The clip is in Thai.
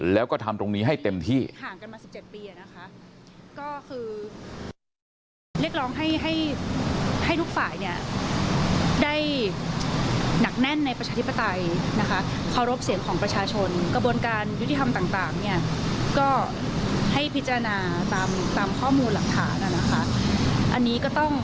แล้วก็ทำตรงนี้ให้เต็มที่